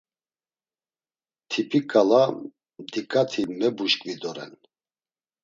Tipi ǩala mdiǩati gebuşkvi doren.